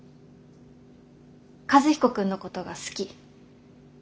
和彦君のことが好き。